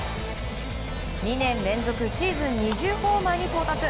２年連続シーズン２０ホーマーに到達。